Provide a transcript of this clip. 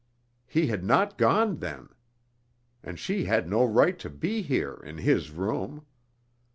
He had not gone, then! and she had no right to be here, in his room.